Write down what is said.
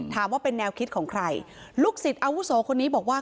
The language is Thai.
ว่าเป็นแนวคิดของใครลูกศิษย์อาวุโสคนนี้บอกว่า